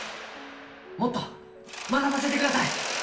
もっと学ばせてください！